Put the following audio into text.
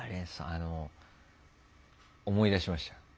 あの思い出しましたよ。